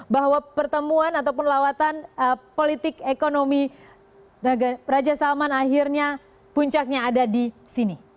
bahwa pertemuan ataupun lawatan politik ekonomi raja salman akhirnya puncaknya ada di sini